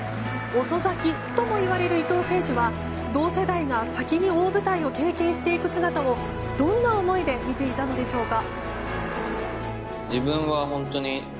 遅咲きともいわれる伊東選手は同世代が先に大舞台を経験していく姿をどんな思いで見ていたのでしょうか。